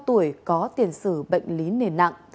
các tuổi có tiền sử bệnh lý nền nặng